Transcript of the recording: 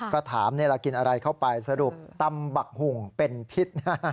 ก็ถามนี่แหละกินอะไรเข้าไปสรุปตำบักหุ่งเป็นพิษ